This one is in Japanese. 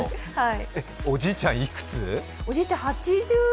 おじいちゃん、いくつ？